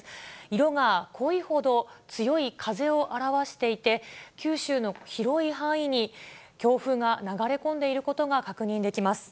色が濃いほど、強い風を表していて、九州の広い範囲に強風が流れ込んでいることが確認できます。